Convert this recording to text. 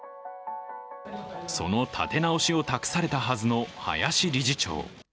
その立て直しを託されたはずの林理事長。